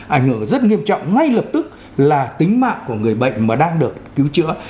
ảnh hưởng rất nghiêm trọng ngay lập tức là tính mạng của người bệnh mà đang được cứu chữa